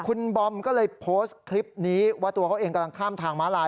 คุณบอมก็เลยโพสต์คลิปนี้ว่าตัวเขาเองกำลังข้ามทางม้าลาย